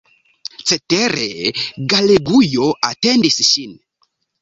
Cetere, Galegujo atendis ŝin.